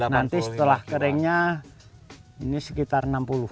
nanti setelah keringnya ini sekitar enam puluh